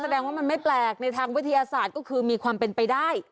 แสดงว่ามันไม่แปลกในทางวิทยาศาสตร์ก็คือมีความเป็นไปได้